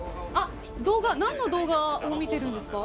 動画、なんの動画を見ているんですか。